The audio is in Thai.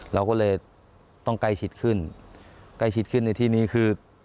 เราก็เลยต้องใกล้ชิดขึ้นใกล้ชิดขึ้นในที่นี้คือ